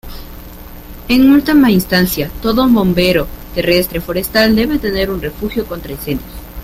En última instancia, todo bomberos terrestre forestal debe tener un refugio contra incendios.